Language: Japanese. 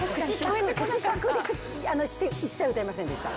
口パクして一切歌いませんでした。